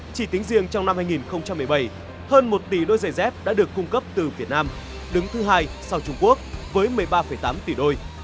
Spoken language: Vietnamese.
chỉ tính riêng trong năm hai nghìn một mươi bảy hơn một tỷ đôi giày dép đã được cung cấp từ việt nam đứng thứ hai sau trung quốc với một mươi ba tám tỷ đôi